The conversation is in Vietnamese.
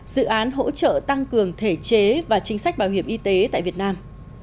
dự án hỗ trợ tăng cường thể chế và chính sách bảo hiểm y tế tại việt nam